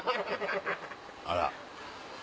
あら。